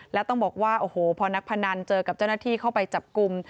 แล้วต้องบอกว่าโอ้โหพอนักพนันเจอกับเจ้าหน้าที่เข้าไปจับกลุ่ม